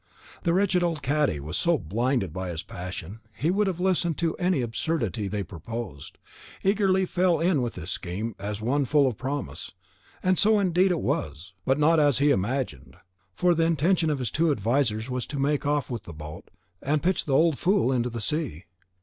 The wretched old cadi, who was so blinded by his passion that he would have listened to any absurdity they proposed, eagerly fell in with this scheme as one full of promise; and so indeed it was, but not as he imagined; for the intention of his two advisers was to make off with the boat, and pitch the old fool into the sea.